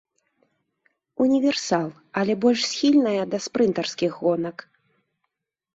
Універсал, але больш схільная да спрынтарскіх гонак.